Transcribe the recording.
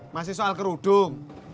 masih soal kerudung